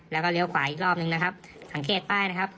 แล้วก็เลี้ยวขวาอีกรอบนึงนะครับสังเกตป้ายนะครับ